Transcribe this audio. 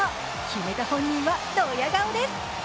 決めた本人はドヤ顔です。